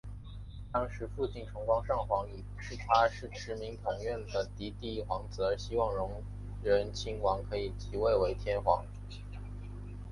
当时父亲崇光上皇以他是持明院统的嫡第一皇子而希望荣仁亲王可以即位为天皇。